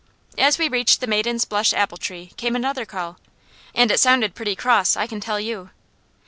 As we reached the maiden's blush apple tree came another call, and it sounded pretty cross, I can tell you.